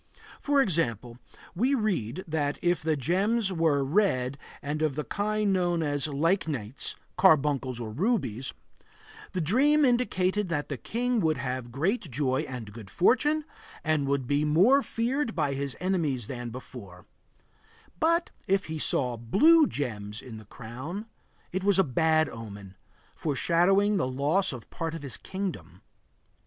For example, we read that if the gems were red and of the kind known as lychnites (carbuncles or rubies), the dream indicated that the king would have great joy and good fortune and would be more feared by his enemies than before; but if he saw blue gems in the crown, it was a bad omen, foreshadowing the loss of part of his kingdom.